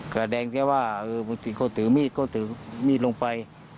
แสดงแค่ว่าบางทีเขาถือมีดก็ถือมีดลงไป